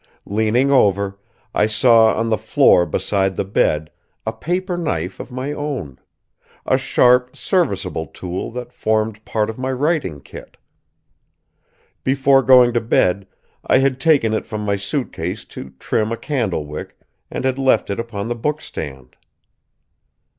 Leaning over, I saw on the floor beside the bed a paper knife of my own; a sharp, serviceable tool that formed part of my writing kit. Before going to bed, I had taken it from my suitcase to trim a candle wick, and had left it upon the bookstand.